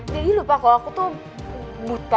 daddy lupa kalo aku tuh buta